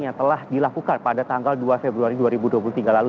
yang telah dilakukan pada tanggal dua februari dua ribu dua puluh tiga lalu